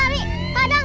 tak lari padam